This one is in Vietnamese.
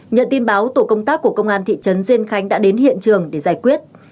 nhận tin báo tổ công tác của công an thị trấn diên khánh đã đến hiện trường để giải quyết